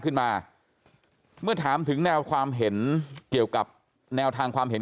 ขึ้นมาเมื่อถามถึงแนวความเห็นเกี่ยวกับแนวทางความเห็น